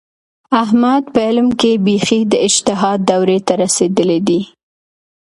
احمد په علم کې بیخي د اجتهاد دورې ته رسېدلی دی.